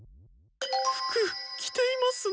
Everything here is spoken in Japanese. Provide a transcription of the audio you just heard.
服着ていますね。